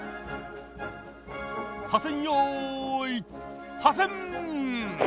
破線よい破線！